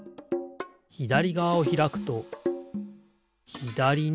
ひだりがわをひらくとひだりにころがる。